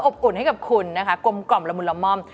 อุ่นให้กับคุณนะคะกลมกล่อมละมุนละม่อม